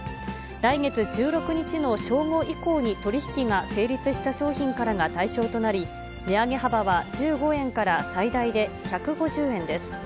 来月１６日の正午以降に取り引きが成立した商品からが対象となり、値上げ幅は１５円から最大で１５０円です。